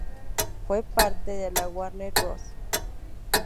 Fue parte de la "Warner Bros.